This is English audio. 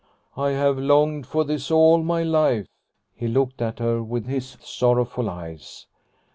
" I have longed for this all my life." He looked at her with his sorrowful eyes.